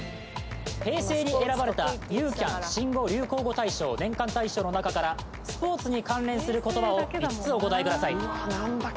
平成に選ばれたユーキャン「新語・流行語大賞」年間大賞の中からスポーツに関連する言葉を５つお答えください